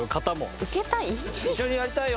「一緒にやりたいよ」